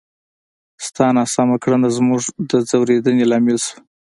ستا ناسمه کړنه زموږ د ځورېدنې لامل شوه!